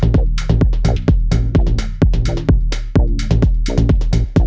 kak fatima ya ada sih